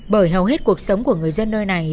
bởi hầu hết cuộc sống của người dân nơi này